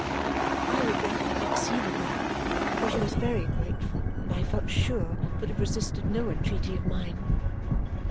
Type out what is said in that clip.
I regretted it exceedingly, for she was very grateful, and I felt sure would have resisted no entreaty of mine.